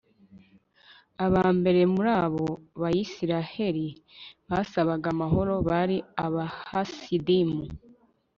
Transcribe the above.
aba mbere muri abo bayisraheli basabaga amahoro bari abahasidimu